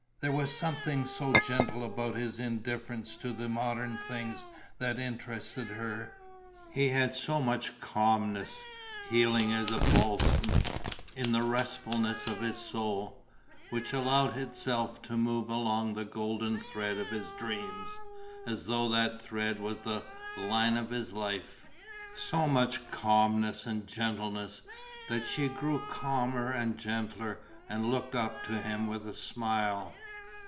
There was something so gentle about his indifference to the modern things that interested her, he had so much calmness, healing as balsam, in the restfulness of his soul, which allowed itself to move along the golden thread of his dreams, as though that thread was the line of his life, so much calmness and gentleness that she too grew calmer and gentler and looked up to him with a smile.